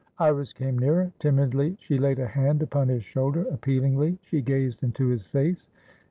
Iris came nearer. Timidly she laid a hand upon his shoulder; appealingly she gazed into his face.